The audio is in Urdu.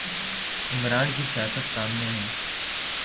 عمران کی سیاست سامنے ہے۔